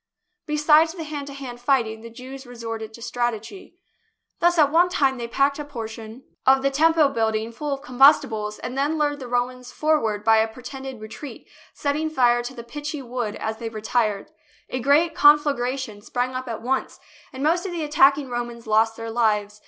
Besides the hand to hand fighting, the Jews resorted to strat egy. Thus at one time they packed a portion THE BOOK OF FAMOUS SIEGES of the Temple building full of combustibles and then lured the Romans forward by a pretended re treat, setting fire to the pitchy wood as they retired. A great conflagration sprang up at once, and most of the attacking Romans lost their lives.